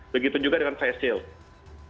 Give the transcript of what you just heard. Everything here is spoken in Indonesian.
begitu juga dengan face shield